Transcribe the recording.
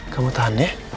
kamu tahan ya